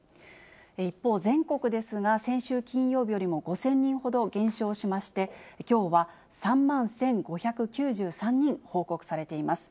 一方、全国ですが、先週金曜日よりも５０００人ほど減少しまして、きょうは３万１５９３人報告されています。